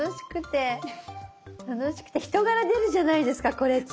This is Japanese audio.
楽しくて人柄出るじゃないですかこれって。